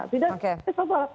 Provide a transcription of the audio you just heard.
tidak itu apa